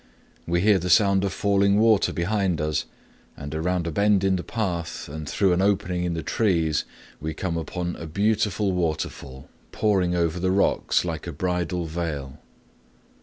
We hear the sound of falling water ahead of us, and around a bend in the path, and through an opening in the trees, we come upon a beautiful waterfall pouring over the rocks like a bridal veil.